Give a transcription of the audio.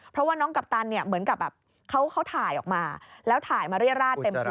เพราะว่าน้องกัปตันเนี่ยเหมือนกับแบบเขาถ่ายออกมาแล้วถ่ายมาเรียราดเต็มตัว